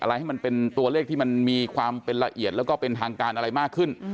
ให้มันเป็นตัวเลขที่มันมีความเป็นละเอียดแล้วก็เป็นทางการอะไรมากขึ้น